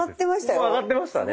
ここ上がってましたね